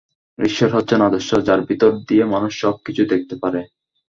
ঈশ্বর হচ্ছেন আদর্শ, যাঁর ভিতর দিয়ে মানুষ সব কিছু দেখতে পারে।